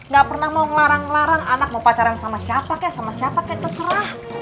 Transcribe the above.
gak pernah mau ngelarang ngelarang anak mau pacaran sama siapa kek sama siapa kek terserah